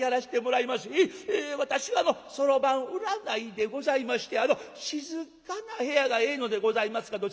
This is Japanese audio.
私はあのそろばん占いでございまして静かな部屋がええのでございますがどちらか。